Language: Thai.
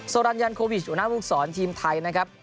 รันยันโควิชหัวหน้าภูมิสอนทีมไทยนะครับ